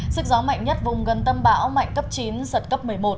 sức gió mạnh nhất vùng gần tâm bão mạnh cấp chín giật cấp một mươi một